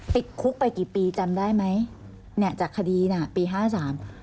ติดคุกไปกี่ปีจำได้ไหมเนี่ยจากคดีน่ะปีห้าสาม